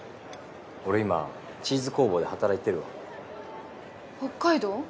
俺今チーズ工房で働いてるわ北海道？